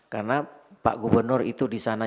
karena pak gubernur itu di sana